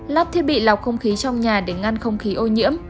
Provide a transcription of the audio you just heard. lắp thiết bị lọc không khí trong nhà để ngăn không khí ô nhiễm